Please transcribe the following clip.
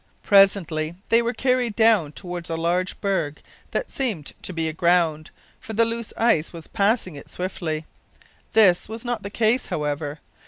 Presently they were carried down toward a large berg that seemed to be aground, for the loose ice was passing it swiftly. This was not the case, however.